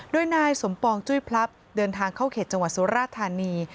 โดยนายสมปองจุ้ยพลับเดินทางเข้าเขตจังหวัดสุราธานี